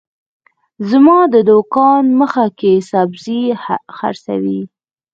زما د دوکان مخه کي سبزي حرڅوي